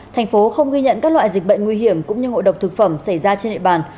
tp hcm không ghi nhận các loại dịch bệnh nguy hiểm cũng như ngội độc thực phẩm xảy ra trên địa bàn